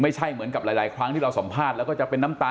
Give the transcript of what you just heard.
ไม่ใช่เหมือนกับหลายครั้งที่เราสัมภาษณ์แล้วก็จะเป็นน้ำตา